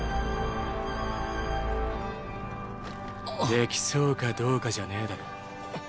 できそうかどうかじゃねぇだろ。